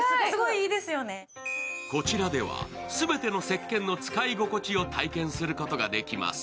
こちらでは、全てのせっけんの使い心地を体験することができます。